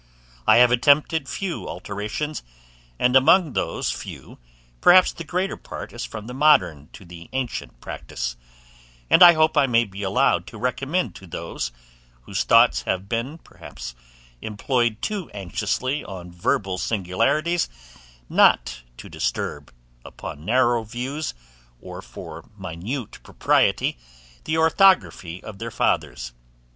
I have attempted few alterations, and among those few, perhaps the greater part is from the modern to the ancient practice; and I hope I may be allowed to recommend to those, whose thoughts have been perhaps employed too anxiously on verbal singularities, not to disturb, upon narrow views, or for minute propriety, the orthography of their fathers.